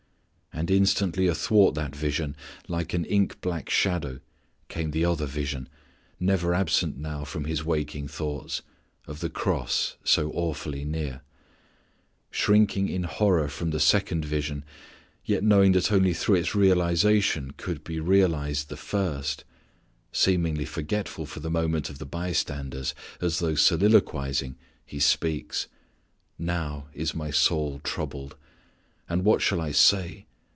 And instantly athwart that vision like an ink black shadow came the other vision, never absent now from His waking thoughts, of the cross so awfully near. Shrinking in horror from the second vision, yet knowing that only through its realization could be realized the first, seemingly forgetful for the moment of the by standers, as though soliloquizing, He speaks "now is My soul troubled; and what shall I say?